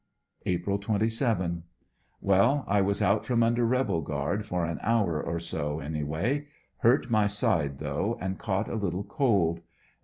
April 27. — Well, 1 was out from under rebel guard for an hour or so anyway. Hurt my side though, and caught a little cold.